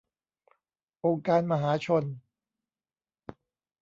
องค์การมหาชน